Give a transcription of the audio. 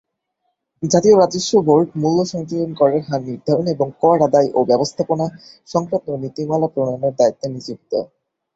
জাতীয় রাজস্ব বোর্ড মূল্য সংযোজন করের হার নির্ধারণ এবং এর আদায় ও ব্যবস্থাপনা সংক্রান্ত নীতিমালা প্রণয়নের দায়িত্বে নিযুক্ত।